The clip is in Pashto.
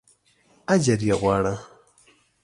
اجر یې غواړه.